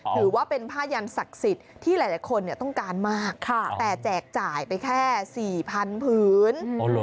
ถือว่าเป็นผ้ายันศักดิ์สิทธิ์ที่หลายคนต้องการมากแต่แจกจ่ายไปแค่๔๐๐๐ผืน